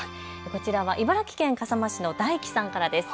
こちらは茨城県笠間市の大樹さんからです。